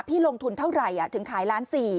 ลงทุนเท่าไหร่ถึงขายล้าน๔